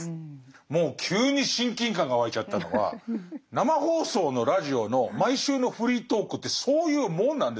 もう急に親近感が湧いちゃったのは生放送のラジオの毎週のフリートークってそういうもんなんですよ。